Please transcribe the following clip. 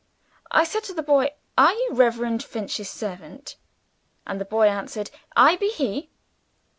I said to the boy, "Are you Reverend Finch's servant?" And the boy answered, "I be he."